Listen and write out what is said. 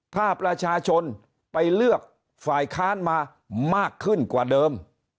ถ้าประชาชนไปเลือกฝ่ายค้านมามากขึ้นกว่าเดิม